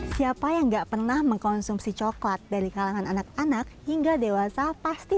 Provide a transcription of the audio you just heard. siapa yang nggak pernah mengkonsumsi coklat dari kalangan anak anak hingga dewasa pasti